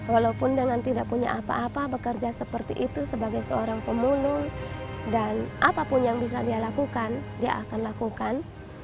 walaupun dengan tidak punya apa apa bekerja seperti itu sebagai seorang pemulung dan apapun yang bisa dia lakukan dia akan lakukan